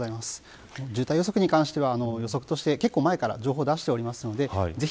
渋滞予測に関しては予測として結構前から情報を出しています。